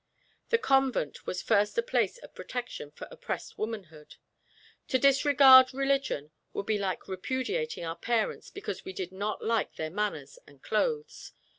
The convent was first a place of protection for oppressed womanhood. To discard religion would be like repudiating our parents because we did not like their manners and clothes.